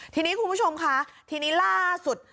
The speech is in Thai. ทีนี้คุณผู้ชมค่ะทีนี้ล่าสุด